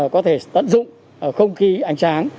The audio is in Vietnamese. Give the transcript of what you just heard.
có thể tận dụng không khí ánh sáng